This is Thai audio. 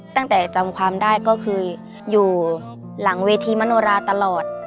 ตั้งแต่จำความได้ก็คืออยู่หลังเวทีมนุราตลอด